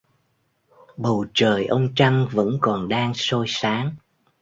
Bầu trời ông trăng vẫn còn đang soi sáng